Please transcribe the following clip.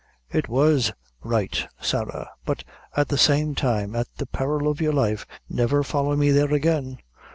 "It was right, Sarah; but at the same time, at the peril of your life, never folly me there again.